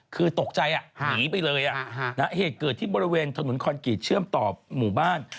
คือตกใจหนีไปเลยเหตุเกิดที่บริเวณถนนคอนกรีตเชื่อมต่อหมู่บ้าน